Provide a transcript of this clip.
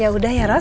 ya udah ya ros